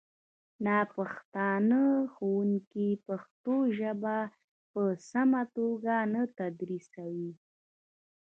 ناپښتانه ښوونکي پښتو ژبه په سمه توګه نه تدریسوي